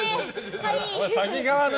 はい。